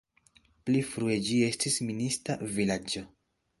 Pli frue ĝi estis minista vilaĝo.